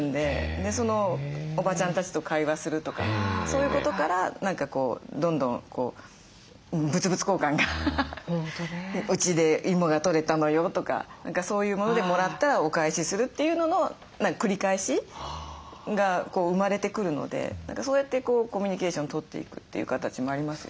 そのおばちゃんたちと会話するとかそういうことから何かこうどんどん物々交換が「うちでイモが取れたのよ」とか何かそういうものでもらったらお返しするというのの繰り返しが生まれてくるのでそうやってコミュニケーション取っていくという形もありますよね。